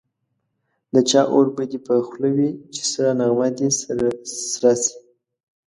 د چا اور به دي په خوله وي چي سړه نغمه دي سره سي